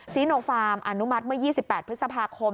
ซีโนฟาร์มอนุมัติเมื่อ๒๘พฤษภาคม